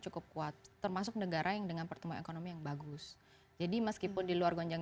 cukup kuat termasuk negara yang dengan pertumbuhan ekonomi yang bagus jadi meskipun di luar gonjang